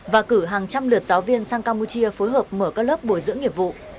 và cử hàng trăm lượt giáo viên sang campuchia phối hợp mở các lớp bồi dưỡng nghiệp vụ